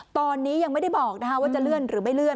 ตอนนี้ยังไม่ได้บอกว่าจะเลื่อนหรือไม่เลื่อน